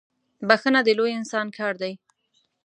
بخښنه د لوی انسان کار دی.